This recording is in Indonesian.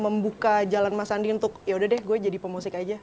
membuka jalan mas andi untuk yaudah deh gue jadi pemusik aja